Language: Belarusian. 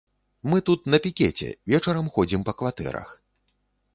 Мы тут на пікеце, вечарам ходзім па кватэрах.